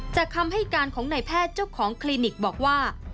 คำให้การของนายแพทย์เจ้าของคลินิกบอกว่า